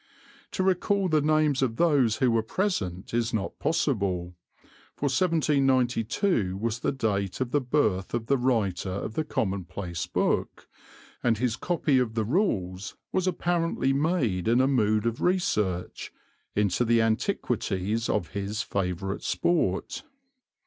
To recall the names of those who were present is not possible, for 1792 was the date of the birth of the writer of the commonplace book, and his copy of the rules was apparently made in a mood of research into the antiquities of his favourite sport.